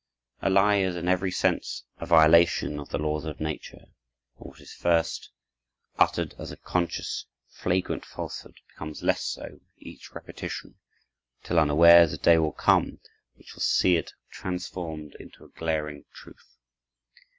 A lie is in every sense a violation of the laws of nature; and what is first uttered as a conscious, flagrant falsehood, becomes less so with each repetition, till unawares a day will come which shall see it transformed into a glaring truth.